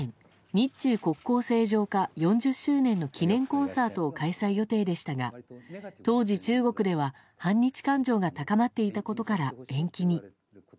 日中国交正常化４０周年の記念コンサートを開催予定でしたが当時、中国では反日感情が高まっていたことから延期に。